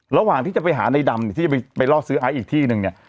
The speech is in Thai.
ระหว่างที่จะไปหาในดำที่จะไปไปรอซื้ออ้ายอีกที่หนึ่งเนี่ย